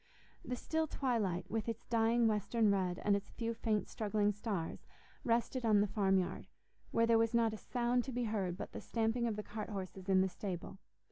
The still twilight, with its dying western red and its few faint struggling stars, rested on the farm yard, where there was not a sound to be heard but the stamping of the cart horses in the stable.